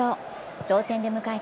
同点で迎えた